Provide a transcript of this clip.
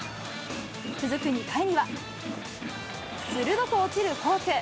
続く２回には、鋭く落ちるフォーク。